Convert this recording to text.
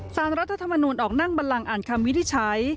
สารรัฐธรรมนูลออกนั่งบันลังอ่านคำวินิจฉัย